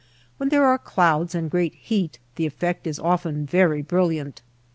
When there are clouds and great heat the effect is often very brilliant.